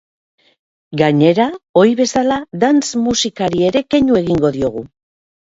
Gainera, ohi bezala, dance musikari ere keinu egingo diogu.